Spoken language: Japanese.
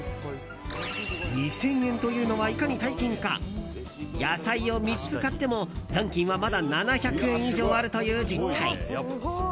２０００円というのはいかに大金か野菜を３つ買っても、残金はまだ７００円以上あるという事態。